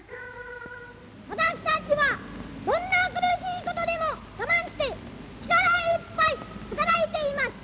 「私たちはどんな苦しい事でも我慢して力いっぱい働いています。